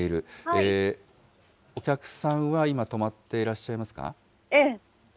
お客さんは今、泊まっていらっしええ。